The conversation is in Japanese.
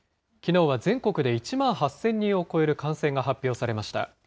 きのうは全国で１万８０００人を超える感染が発表されました。